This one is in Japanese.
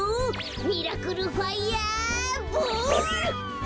ミラクルファイヤーボール！